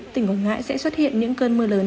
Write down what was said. tỉnh quảng ngãi sẽ xuất hiện những cơn mưa lớn